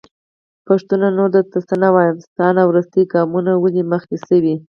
پښتونه نور درته څه نه وايم.. ستا نه وروستی قامونه ولي مخکې شو نه